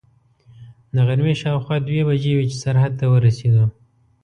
د غرمې شاوخوا دوې بجې وې چې سرحد ته ورسېدو.